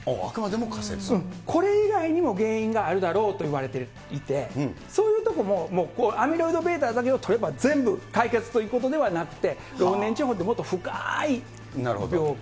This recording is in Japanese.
これ以外にも原因があるだろうといわれていて、そういうところもアミロイドβだけを取れば、全部解決ということではなくて、老年痴ほうってもっと深い病気。